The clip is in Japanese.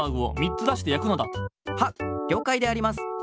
はっりょうかいであります。